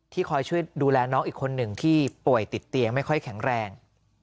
คอยช่วยดูแลน้องอีกคนหนึ่งที่ป่วยติดเตียงไม่ค่อยแข็งแรง